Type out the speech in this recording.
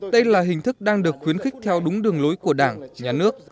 đây là hình thức đang được khuyến khích theo đúng đường lối của đảng nhà nước